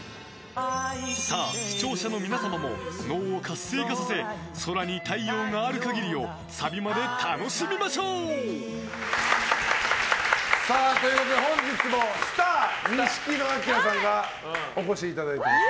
さあ、視聴者の皆様も脳を活性化させ「空に太陽がある限り」をサビまで楽しみましょう！ということで本日もスター錦野旦さんがお越しいただいています。